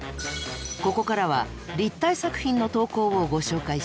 ここからは立体作品の投稿をご紹介します。